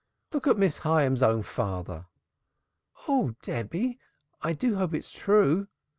Look at Miss Hyams's own father." "Oh Debby! I do hope that's true.